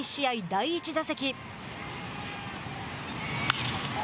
第１打席。